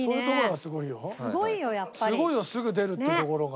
すごいよすぐ出るってところが。